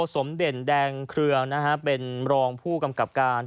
สมเด่นแดงเครือนะฮะเป็นรองผู้กำกับการ